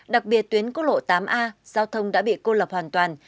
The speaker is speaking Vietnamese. đặc biệt tuyến quốc lộ tám a giao thông đã bị cô lập hoàn toàn